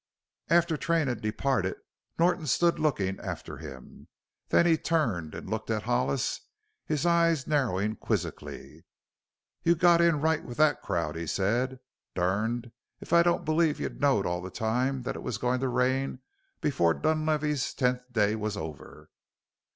After Train had departed Norton stood looking after him. Then he turned and looked at Hollis, his eyes narrowing quizzically. "You've got in right with that crowd," he said. "Durned if I don't believe you knowed all the time that it was goin' to rain before Dunlavey's tenth day was over!"